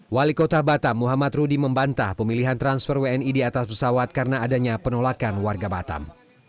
wali kota batam muhammad rudy membantah pemilihan transfer wni di atas pesawat karena adanya penolakan warga batam